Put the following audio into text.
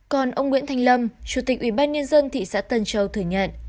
còn ông nguyễn thanh lâm chủ tịch ủy ban nhân dân thị xã tân châu thừa nhận